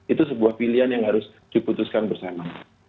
itu sebuah pilihan yang harus diputuskan bersama